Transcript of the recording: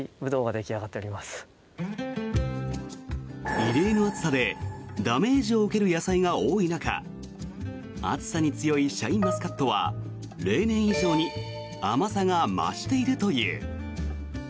異例の暑さでダメージを受ける野菜が多い中暑さに強いシャインマスカットは例年以上に甘さが増しているという。